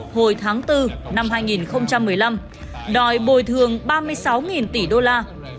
tòa án hình sự quốc tế hồi tháng bốn năm hai nghìn một mươi năm đòi bồi thường ba mươi sáu tỷ đô la